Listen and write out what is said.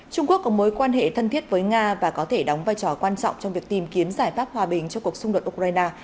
trung quốc có mối quan hệ thân thiết với nga và có thể đóng vai trò quan trọng trong việc tìm kiếm giải pháp hòa bình cho cuộc xung đột ukraine